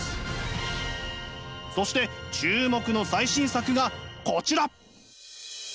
そして注目の最新作がこちら！